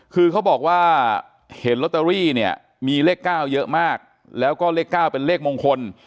คือเขาบอกว่าเห็นลอตเตอรี่เนี่ยมีเลข๙เยอะมากแล้วก็เลข๙เป็นเลขมงคล